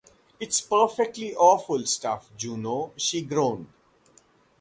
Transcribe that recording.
“It’s perfectly awful stuff, Juno,” she groaned.